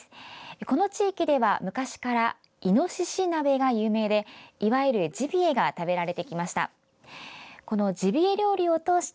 この地域では、昔からいのしし鍋が有名でいわゆるジビエが食べられてきました。